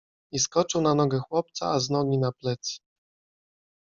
I skoczył na nogę chłopca, a z nogi na plecy.